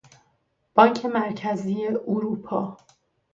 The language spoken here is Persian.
بانک مرکزی اروپا